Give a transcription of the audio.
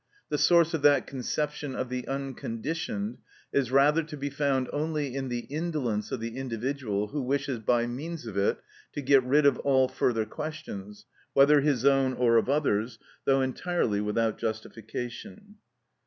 The source of that conception of the unconditioned is rather to be found only in the indolence of the individual who wishes by means of it to get rid of all further questions, whether his own or of others, though entirely without justification.